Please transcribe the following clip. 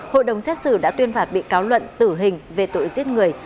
hội đồng xét xử đã tuyên phạt bị cáo luận tử hình về tội giết người